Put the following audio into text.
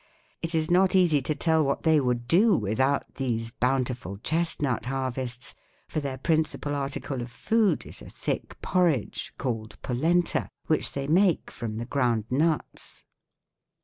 It is not easy to tell what they would do without these bountiful chestnut harvests, for their principal article of food is a thick porridge called polenta, which they make from the ground nuts.